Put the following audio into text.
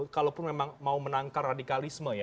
kalaupun memang mau menangkal radikalisme ya